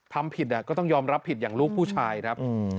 ทำผิดก็ต้องยอมรับผิดอย่างลูกผู้ชายครับ